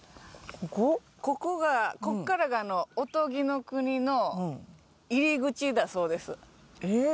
ここがここからがあのおとぎの国の入り口だそうですえっ？